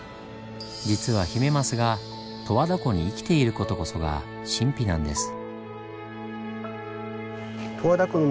実はヒメマスが十和田湖に生きている事こそが神秘なんです。